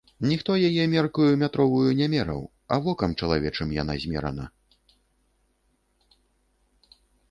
Ніхто яе меркаю метроваю не мераў, а вокам чалавечым яна змерана.